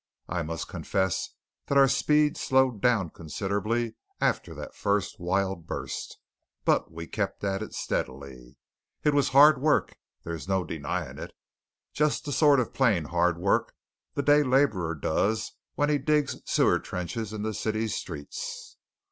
I must confess that our speed slowed down considerably after the first wild burst, but we kept at it steadily. It was hard work, and there is no denying it, just the sort of plain hard work the day labourer does when he digs sewer trenches in the city streets.